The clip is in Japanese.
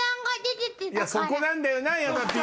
そこなんだよな山Ｐな。